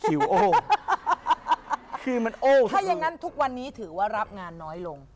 คือมันโอ้ถ้ายังงั้นทุกวันนี้ถือว่ารับงานน้อยลง